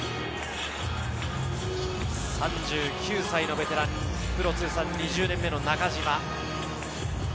３９歳のベテラン、プロ通算２０年目の中島。